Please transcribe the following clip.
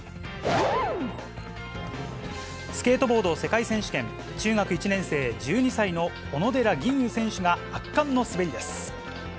スケートボード世界選手権、中学１年生、１２歳の小野寺吟雲選手が、圧巻の滑りです。